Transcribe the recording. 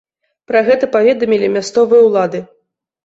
Пра гэта паведамілі мясцовыя ўлады.